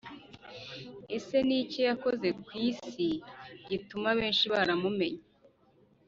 Ese ni iki yakoze ku isi gituma benshi baramumenye?